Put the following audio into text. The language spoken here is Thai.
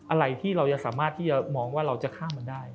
อะไรที่เราจะสามารถที่จะมองว่าเราจะข้ามมันได้